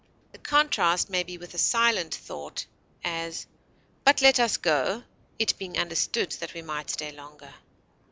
The contrast may be with a silent thought; as, but let us go (it being understood that we might stay longer).